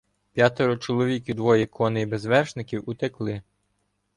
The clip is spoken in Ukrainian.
П'ятеро чоловік і двоє коней без вершників утекли.